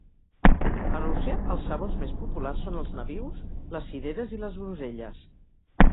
A Rússia, els sabors més populars són els nabius, les cireres i les groselles.